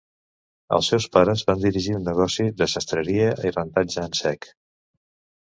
Els seus pares van dirigir un negoci de sastreria i rentatge en sec.